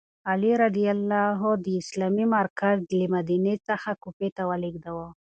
علي رض د اسلامي مرکز له مدینې څخه کوفې ته ولیږداوه.